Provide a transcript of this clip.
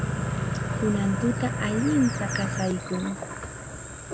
Kunan tuta allinta qasaykun.